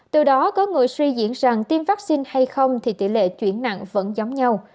từ đó có người suy diễn rằng tiêm vaccine hay không thì tỷ lệ chuyển nặng vẫn giống nhau